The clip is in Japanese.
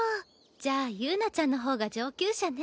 じゃあ友奈ちゃんの方が上級者ね。